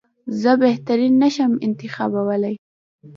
زه بهترین نه شم انتخابولای.